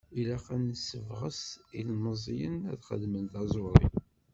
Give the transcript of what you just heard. Ilaq ad nessebɣes ilmeẓyen ad xedmen taẓuri.